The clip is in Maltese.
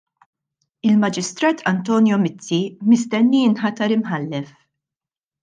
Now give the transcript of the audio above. Il-Maġistrat Antonio Mizzi mistenni jinħatar Imħallef.